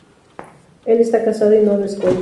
Él está casado y no lo esconde.